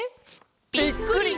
「ぴっくり！